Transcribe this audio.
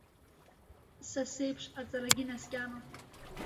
Са сеиԥш аҵарагьы наскьама?